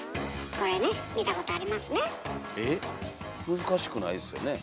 難しくないですよねえ？